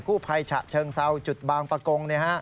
ผู้ภัยฉะเชิงเซาจุดบางประกง